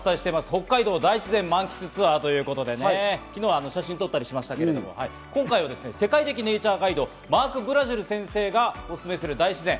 北海道大自然満喫ツアーということでね、昨日は写真撮ったりしましたけど、今回は世界的ネイチャーガイド、マーク・ブラジル先生がおすすめする大自然。